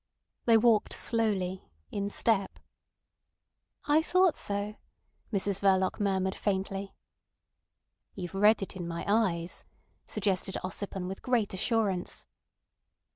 They walked slowly, in step. "I thought so," Mrs Verloc murmured faintly. "You've read it in my eyes," suggested Ossipon with great assurance.